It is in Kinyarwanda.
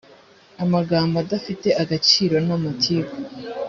amagambo adafite agaciro na amatiku